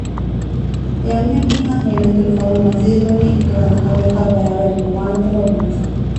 އެއަންހެންމީހާ ހޭނެތުނުފަހުން ނަޒީލްވަނީ އެކަހަލަ ކަމެއްގައި ބައިވެރި ނުވާނެކަމަށް ބުނެފަ